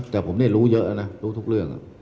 แต่ผมรู้เยอะนะรู้ทุกเรื่อง